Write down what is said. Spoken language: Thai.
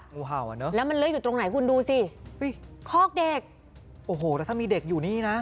งูเห่าอ่ะเนอะแล้วมันเลื้ออยู่ตรงไหนคุณดูสิคอกเด็กโอ้โหแล้วถ้ามีเด็กอยู่นี่นะ